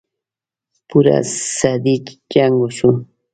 پوره صدۍ جـنګ وشو.